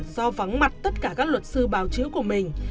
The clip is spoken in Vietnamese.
do vắng mặt tất cả các luật sư báo chữ của mình